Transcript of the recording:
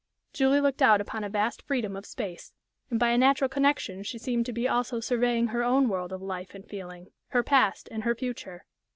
Julie looked out upon a vast freedom of space, and by a natural connection she seemed to be also surveying her own world of life and feeling, her past and her future.